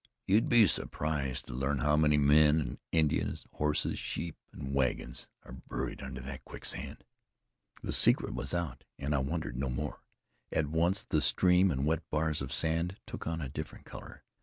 "You'd be surprised to learn how many men and Indians, horses, sheep and wagons are buried under that quicksand." The secret was out, and I wondered no more. At once the stream and wet bars of sand took on a different color.